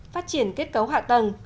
phát triển kết cấu hạ tầng